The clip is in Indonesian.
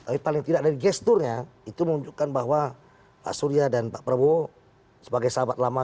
tapi paling tidak dari gesturnya itu menunjukkan bahwa pak surya dan pak prabowo sebagai sahabat lama